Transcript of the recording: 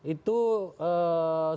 itu saudara bamba